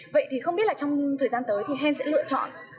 vậy thì không biết là trong thời gian tới thì hen sẽ lựa chọn